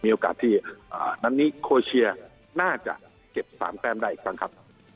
โอกาสที่นัดนี้โคเชียน่าจะเก็บ๓แต้มได้อีกครั้งครับ